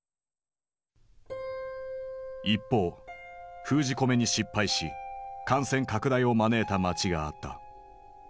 一方封じ込めに失敗し感染拡大を招いた街があった。